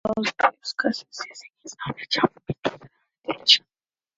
Creek solves these cases using his knowledge of misdirection and illusion.